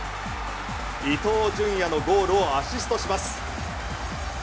伊東純也のゴールをアシストします。